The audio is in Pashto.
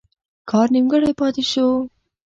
کار نیمګړی پاته شو.